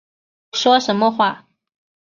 说什么话